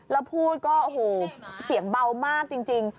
แล้วพูดก็เสียงเบามากจริง